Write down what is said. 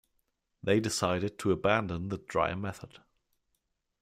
They decided to abandon the dry method.